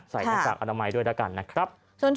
หน้ากากอนามัยด้วยแล้วกันนะครับ